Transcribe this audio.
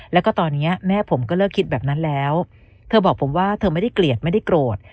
แล้วก็ตอนนี้แม่ผมก็เลิกคิดแบบนั้นแล้วเธอบอกผมว่าเธอไม่ได้เกลียดไม่ได้โกรธ